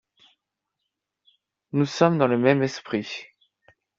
Nous sommes dans le même esprit.